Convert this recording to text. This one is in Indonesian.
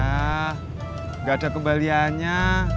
nggak ada kembaliannya